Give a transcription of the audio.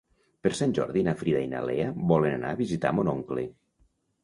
Per Sant Jordi na Frida i na Lea volen anar a visitar mon oncle.